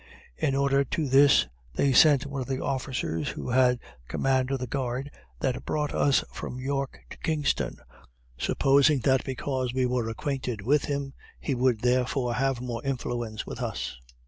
In order to this, they sent one of the officers who had command of the guard that brought us from York to Kingston, supposing that because we were acquainted with him, he would therefore have more influence with us.